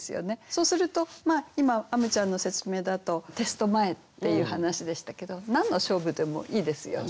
そうすると今あむちゃんの説明だとテスト前っていう話でしたけど何の勝負でもいいですよね。